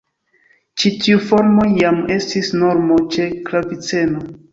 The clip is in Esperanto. Ĉi tiu formo jam estis normo ĉe klaviceno.